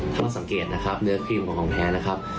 ถ้ามาสังเกตนะครับเนื้อครีมของแท้นะครับ